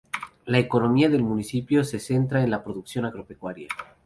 La economía del municipio se centra en la producción agropecuaria.